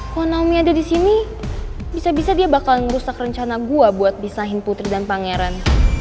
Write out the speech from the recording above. kalo naomi ada di sini bisa bisa dia bakal ngerusak rencana gue buat bisnahin putri dan pangeran